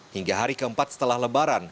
hingga hari keempat setelah lebaran